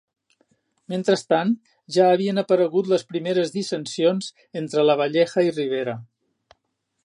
Mentrestant, ja havien aparegut les primeres dissensions entre Lavalleja i Rivera.